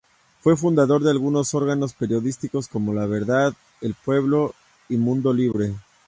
Fue fundador de algunos órganos periodísticos, como "La Verdad", "El Pueblo" y "Mundo Libre".